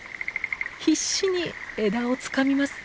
必死に枝をつかみます。